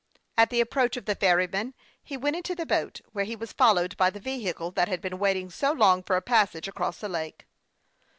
At the approach of the ferryman he went into the boat, where he was followed by the vehicle that had been waiting so long for a passage across the lake.